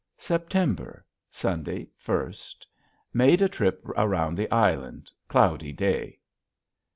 September Sun. 1st. Mead a trip around the island. Cloudy Day.